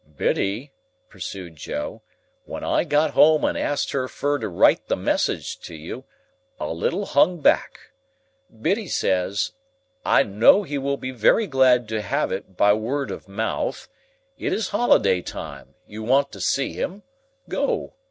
"Biddy," pursued Joe, "when I got home and asked her fur to write the message to you, a little hung back. Biddy says, 'I know he will be very glad to have it by word of mouth, it is holiday time, you want to see him, go!